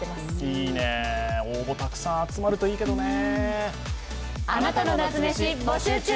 いいね、応募たくさん集まるといいけどね。